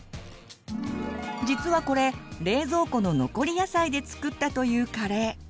実はこれ冷蔵庫の残り野菜で作ったというカレー。